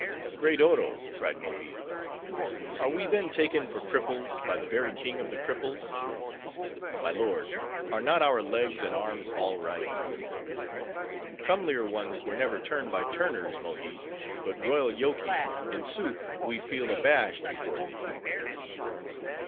"Great Oro!" cried Mohi, "are we then taken for cripples, by the very King of the Cripples? My lord, are not our legs and arms all right?" "Comelier ones were never turned by turners, Mohi. But royal Yoky! in sooth we feel abashed before thee."